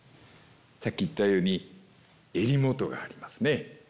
さっき言ったように襟元がありますね。